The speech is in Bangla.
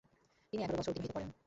তিনি এগারো বছর অতিবাহিত করেন।